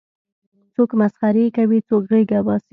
څوک مسخرې کوي څوک غېږه باسي.